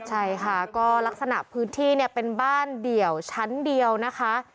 ใช่ค่ะก็ลักษณะพื้นที่เนี่ยเป็นบ้านเดี่ยวชั้นเดียวนะคะ